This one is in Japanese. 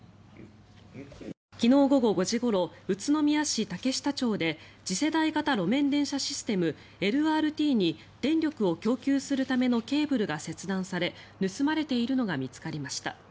昨日午後５時ごろ宇都宮市竹下町で次世代型路面電車システムＬＲＴに電力を供給するためのケーブルが切断され盗まれているのが見つかりました。